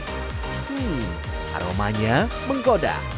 hmm aromanya menggoda